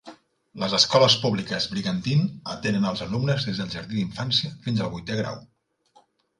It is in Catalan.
Les escoles públiques Brigantine atenen els alumnes des del jardí d'infància fins al vuitè grau.